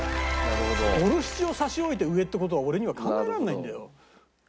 ボルシチを差し置いて上って事は俺には考えらんないんだよ。